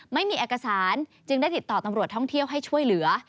ไม่มีเอกสารจึงได้ติดต่อตำรวจท่องเที่ยวให้ช่วยเหลือ